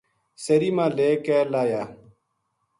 سیری ما لے کے لاہیا